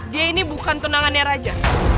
dia ini bukan tunangannya raja